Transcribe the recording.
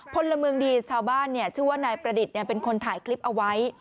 พลเมืองดีชาวบ้านชื่อว่านายประดิษฐ์เป็นคนถ่ายคลิปเอาไว้